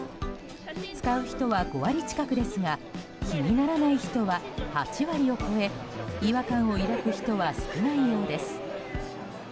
使う人は５割近くですが気にならない人は８割を超え違和感を抱く人は少ないようです。